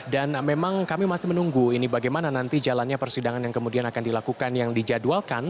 dan memang kami masih menunggu ini bagaimana nanti jalannya persidangan yang kemudian akan dilakukan yang dijadwalkan